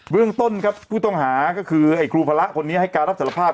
เรื่องต้นครับผู้ต้องหาก็คือไอ้ครูพระคนนี้ให้การรับสารภาพ